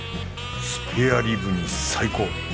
スペアリブに最高！